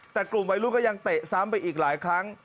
แต่กลุ่มวัยรุ่นก็ยังเตะซ้ำไปอีกหลายครั้ง